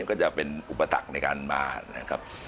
ก็จะเป็นอุปสรรคในการมานะครับ